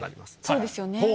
そうですよね。